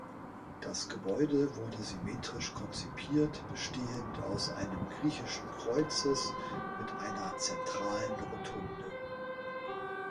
Das Gebäude wurde symmetrisch konzipiert, bestehend aus einem griechischen Kreuzes mit einer zentralen Rotunde.